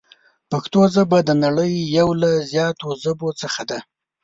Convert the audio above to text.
پښتو ژبه د نړۍ یو له زیاتو ژبو څخه ده.